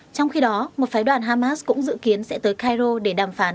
trong khi đó một phái đoàn hamas cũng dự kiến sẽ tới cairo để đàm phán